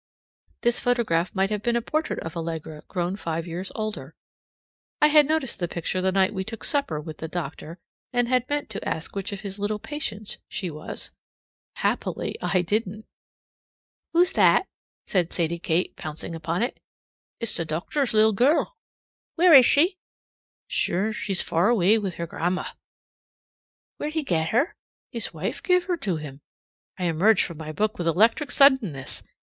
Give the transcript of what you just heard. This photograph might have been a portrait of Allegra grown five years older. I had noticed the picture the night we took supper with the doctor, and had meant to ask which of his little patients she was. Happily I didn't! "Who's that?" said Sadie Kate, pouncing upon it. "It's the docthor's little gurrl." "Where is she?" "Shure, she's far away wit' her gran'ma." "Where'd he get her?" "His wife give her to him." I emerged from my book with electric suddenness.